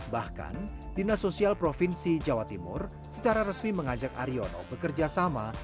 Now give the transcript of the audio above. bahkan dinas sosial provinsi jawa timur secara resmi mengajak aryono bekerja sama